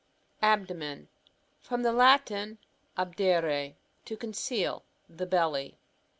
Abdomin. — From the Latin ahdere^ to conceal; the belly.